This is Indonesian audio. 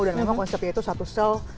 dan memang konsepnya itu satu sel